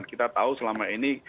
kita tahu selama ini